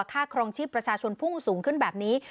ค่าครองชีพประชาชนภูมิสูงขึ้นแบบนี้